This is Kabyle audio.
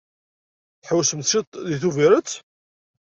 Tḥewwsem cwiṭ deg Tubirett?